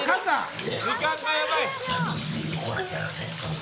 時間がやばい。